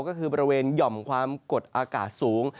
ก็คือบริเวณหย่อมความกดอากาศสูง